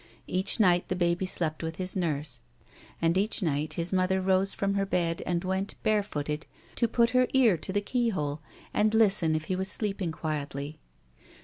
Each night the baby slept with his nurse, and each night his mother rose from her bed and went, bare footed, to put her ear to the keyhole and listen if he was sleeping quietly.